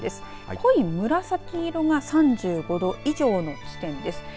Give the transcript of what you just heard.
濃い紫色が３５度以上の地点です。